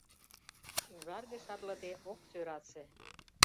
Ужарге шарлыде ок сӧрасе.